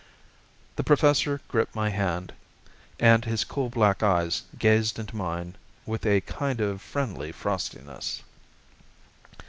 The professor gripped my hand, and his cool black eyes gazed into mine with a kind of friendly frostiness.